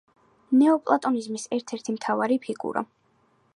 ნეოპლატონიზმის ერთ-ერთი მთავარი ფიგურა.